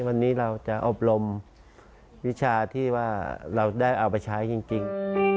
วันนี้เราจะอบรมวิชาที่ว่าเราได้เอาไปใช้จริง